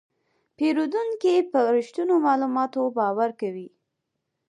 پیرودونکی په رښتینو معلوماتو باور کوي.